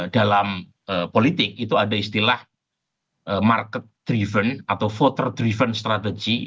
dalam politik itu ada istilah market driven atau voter driven strategy